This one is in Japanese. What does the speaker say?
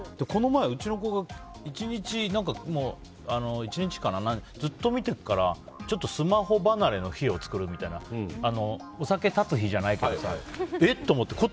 この前、うちの子が１日ずっと見てるからちょっとスマホ離れの日を作るみたいなお酒断つ日じゃないけどさえ？と思って。